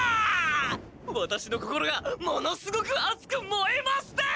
ワタシの心がものすごく熱くもえますです！